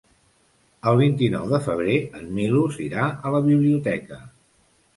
El vint-i-nou de febrer en Milos irà a la biblioteca.